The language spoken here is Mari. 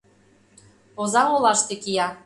Озаҥ олаште кия.